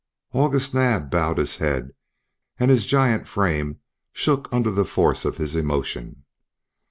August Naab bowed his head and his giant frame shook under the force of his emotion.